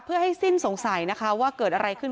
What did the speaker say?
เพื่อให้สิ้นสงสัยนะคะว่าเกิดอะไรขึ้น